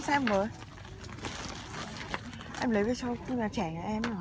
em lấy cái trẻ của em không ạ